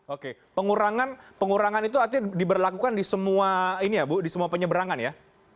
oke pengurangan itu artinya diberlakukan di semua penyeberangan ya